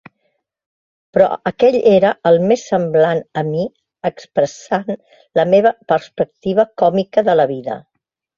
Però aquell era el més semblant a mi expressant la meva perspectiva còmica a la vida.